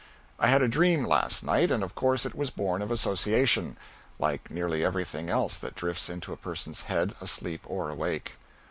I had a dream last night, and of course it was born of association, like nearly everything else that drifts into a person's head, asleep or awake.